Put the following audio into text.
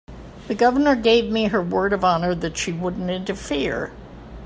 The Governor gave me her word of honor she wouldn't interfere.